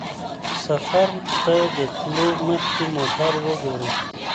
سفر ته د تلو مخکې موټر وګوره.